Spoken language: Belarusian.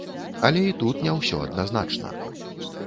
Але і тут не ўсё адназначна.